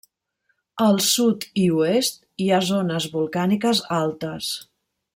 Al sud i oest hi ha zones volcàniques altes.